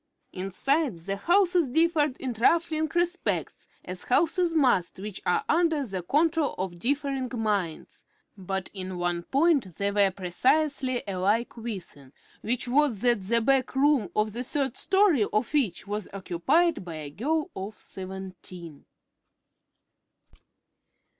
Inside, the houses differed in trifling respects, as houses must which are under the control of differing minds; but in one point they were precisely alike within, which was, that the back room of the third story of each was occupied by a girl of seventeen.